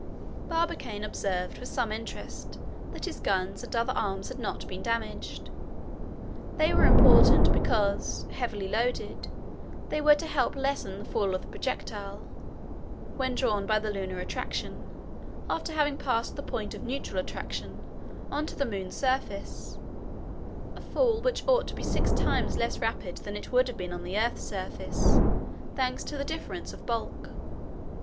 Barbicane observed with some interest that his guns and other arms had not been damaged. These were important, because, heavily loaded, they were to help lessen the fall of the projectile, when drawn by the lunar attraction (after having passed the point of neutral attraction) on to the moon's surface; a fall which ought to be six times less rapid than it would have been on the earth's surface, thanks to the difference of bulk.